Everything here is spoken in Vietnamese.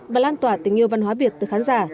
và lan tỏa tình yêu văn hóa việt từ khán giả